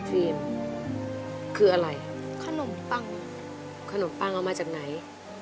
ทีมคืออะไรขนมปังขนมปังเอามาจากไหน